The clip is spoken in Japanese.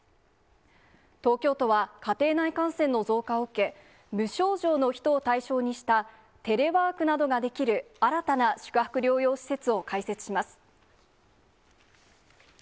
東京都は、家庭内感染の増加を受け、無症状の人を対象にしたテレワークなどができる新たな宿泊療養施設を開設します。